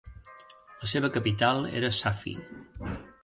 La seva capital era Safi.